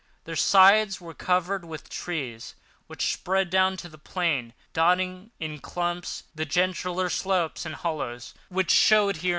Their sides were covered with trees which spread down to the plain, dotting, in clumps, the gentler slopes and hollows which showed here and there.